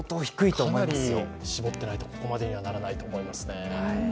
かなり、絞ってないとここまでにはならないと思いますね。